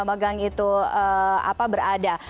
magang itu berada